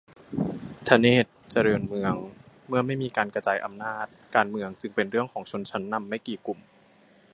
ธเนศวร์ เจริญเมือง : เมื่อไม่มีการกระจายอำนาจ การเมืองจึงเป็นเรื่องของชนชั้นนำไม่กี่กลุ่ม